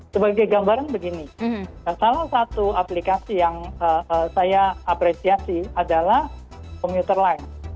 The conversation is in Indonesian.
sebagai gambaran begini salah satu aplikasi yang saya apresiasi adalah komuter line